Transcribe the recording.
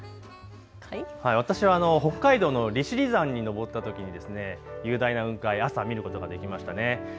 私は北海道の利尻山に登ったときに雄大な雲海、朝、見ることができましたね。